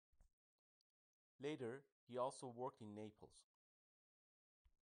Later he also worked in Naples.